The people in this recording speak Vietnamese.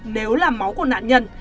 nếu là máu của nạn nhân